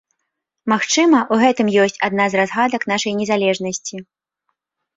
Магчыма, у гэтым ёсць адна з разгадак нашай незалежнасці.